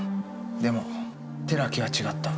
でも寺木は違った。